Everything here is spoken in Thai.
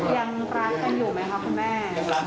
ยังรักกันอยู่ไหมคะคุณแม่